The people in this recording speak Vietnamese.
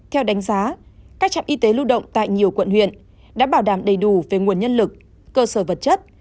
theo đánh giá các trạm y tế lưu động tại nhiều quận huyện đã bảo đảm đầy đủ về nguồn nhân lực cơ sở vật chất